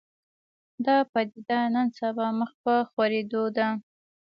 دا پدیده نن سبا مخ په خورېدو ده